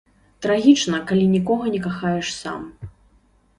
Трагічна, калі нікога не кахаеш сам.